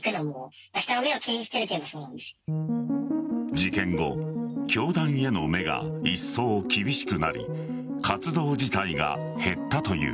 事件後、教団への目がいっそう厳しくなり活動自体が減ったという。